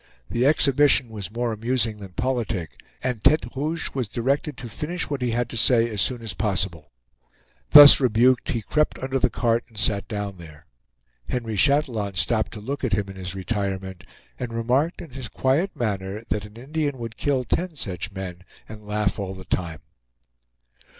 The exhibition was more amusing than politic, and Tete Rouge was directed to finish what he had to say as soon as possible. Thus rebuked, he crept under the cart and sat down there; Henry Chatillon stopped to look at him in his retirement, and remarked in his quiet manner that an Indian would kill ten such men and laugh all the time.